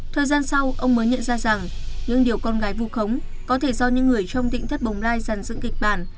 thời gian sau ông mới nhận ra rằng những điều con gái vu khống có thể do những người trong định thất bồng lai dàn dựng kịch bản